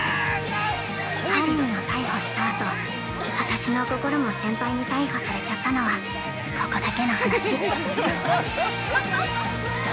◆犯人を逮捕したあと、私の心も先輩に逮捕されちゃったのはここだけの話。